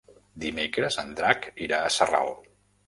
Dimecres en Drac irà a Sarral.